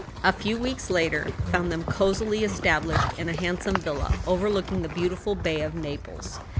A few weeks later found them cozily established in a handsome villa overlooking the beautiful bay of Naples.